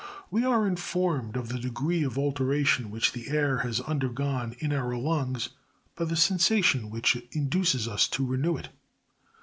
We are informed of the degree of alteration which the air has undergone in our lungs, by the sensation which induces us to renew it.